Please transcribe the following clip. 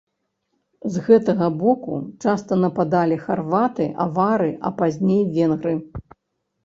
З гэтага боку часта нападалі харваты, авары, а пазней венгры.